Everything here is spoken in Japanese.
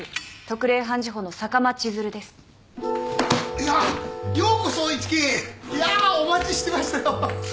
いやぁお待ちしてましたよ。